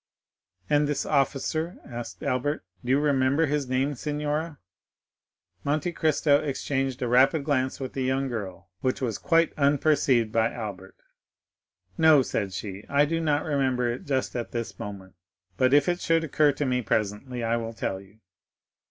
"And this officer," asked Albert, "do you remember his name, signora?" Monte Cristo exchanged a rapid glance with the young girl, which was quite unperceived by Albert. "No," said she, "I do not remember it just at this moment; but if it should occur to me presently, I will tell you."